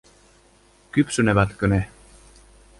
Kypsynevätkö ne?